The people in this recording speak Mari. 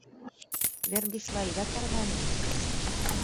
Вер гычла ида тарване!»